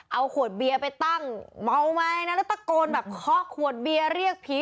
เอาขวดเบียไปตั้งเมาไหมแล้วตะโกนแบบคอกขวดเบียรี่ยกผี